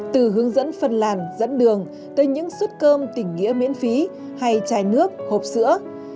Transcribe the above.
từ hướng dẫn phân làn dẫn đường tới những suất cơm tỉnh nghĩa miễn phí hay chai nước hộp sữa